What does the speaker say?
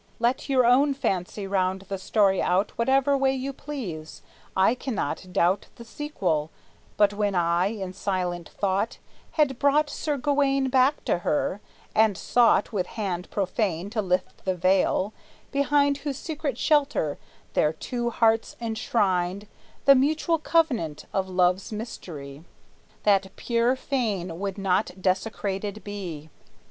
Let your own fancy round the story out Whatever way you please; I cannot doubt The sequel; but when I, in silent thought, Had brought Sir Gawayne back to her, and sought With hand profane to lift the veil, behind Whose secret shelter their two hearts enshrined The mutual covenant of love's mystery, That pure fane would not desecrated be.